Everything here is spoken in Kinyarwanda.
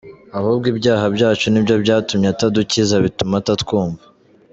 Ahubwo ibyaha byacu nibyo byatumye atadukiza bituma atatwumva.